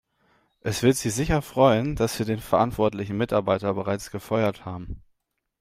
Es wird Sie sicher freuen, dass wir den verantwortlichen Mitarbeiter bereits gefeuert haben.